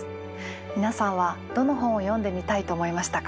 皆さんはどの本を読んでみたいと思いましたか？